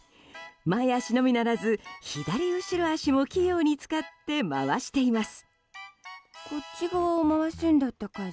前足のみならず、左後ろ足も器用に使って回しています。